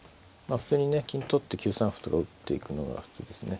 普通にね金取って９三歩とか打っていくのが普通ですね。